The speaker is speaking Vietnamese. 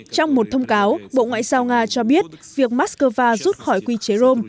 trong một thông cáo bộ ngoại giao nga cho biết việc moscow rút khỏi quy chế rome